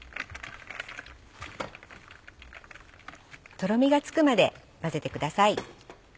とろみがつくまで混ぜてください。